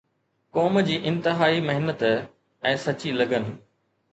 قوم جي انتھائي محنت ۽ سچي لگن